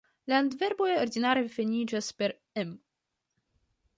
La adverboj ordinare finiĝas per -em.